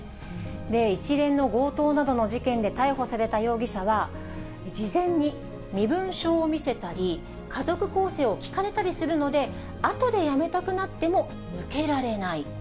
一連の強盗などの事件で逮捕された容疑者は、事前に身分証を見せたり、家族構成を聞かれたりするので、あとでやめたくなっても抜けられない。